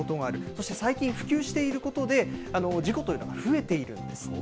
そして最近、普及していることで、事故というのが増えているんです。